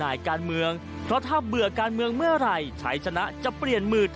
ว่าถ้าเราเบื่อการเมื่อเมื่อไหร่